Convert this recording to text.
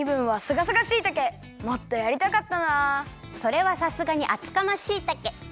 それはさすがにあつかましいたけ。